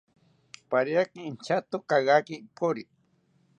Pariaki inchatoki kagaki ipori